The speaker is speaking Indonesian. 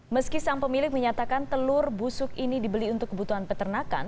meski sang pemilik menyatakan telur busuk ini dibeli untuk kebutuhan peternakan